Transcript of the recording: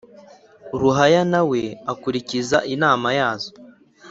ruhaya, na we akurikiza inama yazo